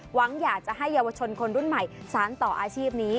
หวังจะให้ชนคนรุ่นใหม่สารต่ออาชีพนี้